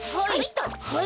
はい。